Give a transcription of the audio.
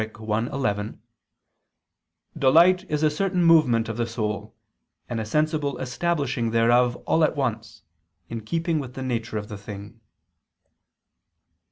i, 11) "delight is a certain movement of the soul and a sensible establishing thereof all at once, in keeping with the nature of the thing."